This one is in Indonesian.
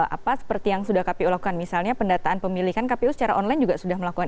apa seperti yang sudah kpu lakukan misalnya pendataan pemilih kan kpu secara online juga sudah melakukan